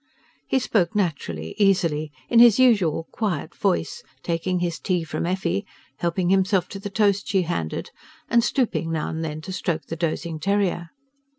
He spoke naturally, easily, in his usual quiet voice, taking his tea from Effie, helping himself to the toast she handed, and stooping now and then to stroke the dozing terrier.